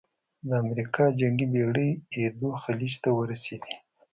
د امریکا جنګي بېړۍ ایدو خلیج ته ورسېدې.